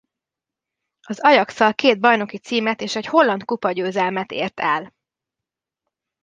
Az Ajax-szal két bajnoki címet és egy holland kupagyőzelmet ért el.